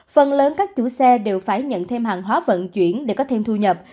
phần lớn các chủ xe đều phải nhận thêm hàng hóa vận chuyển để có thêm thu nhập